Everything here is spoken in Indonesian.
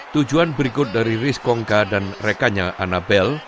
tujuan berikut dari riz kongka dan rekanya annabel